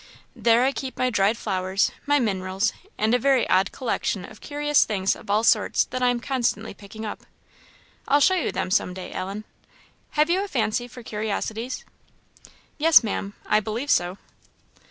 There I keep my dried flowers, my minerals, and a very odd collection of curious things of all sorts that I am constantly picking up. I'll show you them some day, Ellen. Have you a fancy for curiosities?" "Yes, Maam, I believe so."